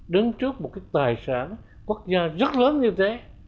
đứng trước một cái tài sản quốc gia rất lớn như thế